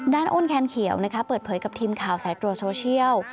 อ้นแคนเขียวเปิดเผยกับทีมข่าวสายตรวจโซเชียล